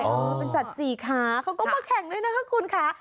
เป็นสัตว์สี่ขาเขาก็มาแข่งด้วยนะคะคุณค่ะ